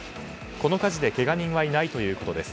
この火事でけが人はいないということです。